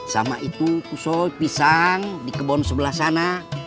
sama itu usul pisang di kebun sebelah sana